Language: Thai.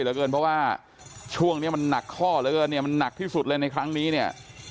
เพราะว่าช่วงนี้มันหนักข้อเหลือเกินมันหนักที่สุดเลยในครั้งนี้